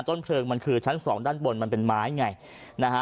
ต้นเพลิงมันคือชั้นสองด้านบนมันเป็นไม้ไงนะฮะ